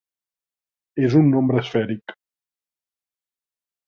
És un nombre esfèric.